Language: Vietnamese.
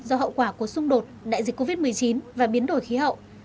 do hậu quả của xung đột đại dịch covid một mươi chín và biến đổi khí hậu